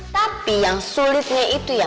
tapi yang sulitnya itu yang